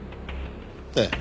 ええ。